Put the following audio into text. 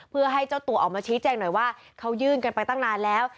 เพื่อให้เจ้าตัวออกมาชี้แจงหน่อยว่าเขายื่นกันไปตั้งนานแล้ว